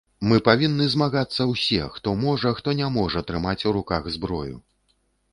Мы павінны змагацца ўсе, хто можа хто не можа трымаць у руках зброю.